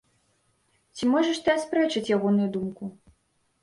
Ці можаш ты аспрэчыць ягоную думку?